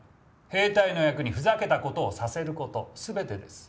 兵隊の役にふざけたことをさせること全てです。